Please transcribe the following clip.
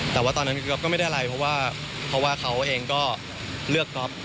แต่ว่าตอนนั้นพี่ก๊อฟก็ไม่ได้อะไรเพราะว่าเพราะว่าเขาเองก็เลือกก๊อฟ